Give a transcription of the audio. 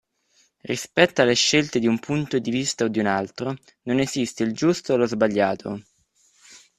Rispetto alle scelta di un punto di vista o di un altro, non esiste il giusto o lo sbagliato.